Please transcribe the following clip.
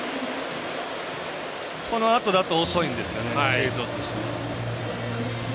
このあとだと遅いんですよね、継投としては。